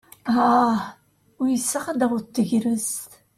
Ah! Uysaɣ ad taweḍ tegrest.